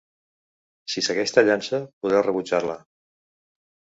Si segueix tallant-se, podeu rebutjar-la.